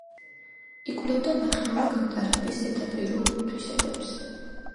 იკვლევდა ნახევარგამტარების ზედაპირულ თვისებებს.